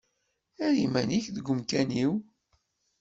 Err iman-ik deg umkan-iw.